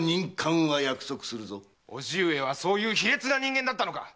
叔父上はそういう卑劣な人間だったのか！